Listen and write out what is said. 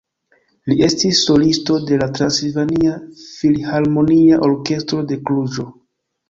Li estis solisto de la Transilvania Filharmonia Orkestro de Kluĵo.